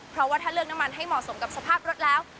เพราะว่าถ้าเลือกน้ำมันให้เหมาะสมกับสภาพรถแล้ว